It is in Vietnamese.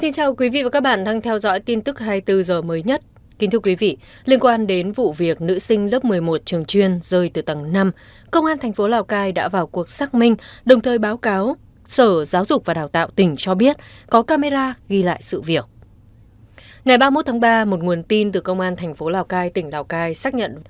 các bạn hãy đăng ký kênh để ủng hộ kênh của chúng mình nhé